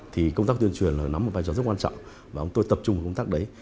thì công tác tuyên truyền nắm một vai trò rất quan trọng và chúng tôi tập trung vào công tác đấy